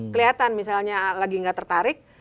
kelihatan misalnya lagi nggak tertarik